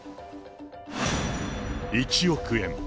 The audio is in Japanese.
１億円。